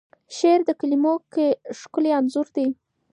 شعر د کلیمو ښکلی انځور دی.